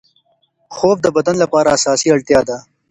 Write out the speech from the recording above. خوب د بدن لپاره اساسي اړتیا ده.